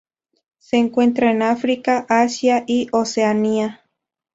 Se encuentra en África, Asia y Oceanía.